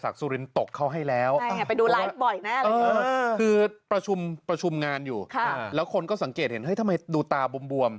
คือคนงานอยู่แล้วคนก็สังเกตเห็นเฮ้ยทำไมดูตาบวม